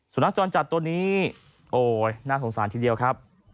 สุนัขจรจัดตัวนี้โอ้ยน่าสงสารทีเดียวครับ